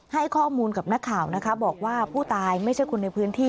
ให้ข้อมูลกับนักข่าวนะคะบอกว่าผู้ตายไม่ใช่คนในพื้นที่